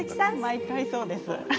毎回そうです。